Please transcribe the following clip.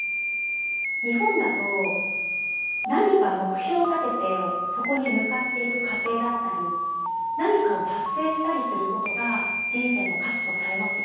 日本だと何か目標を立ててそこに向かっていく過程だったり何かを達成したりすることが人生の価値とされますよね。